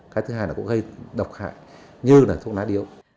cái thứ hai là cũng gây độc hại như thuốc lá điệu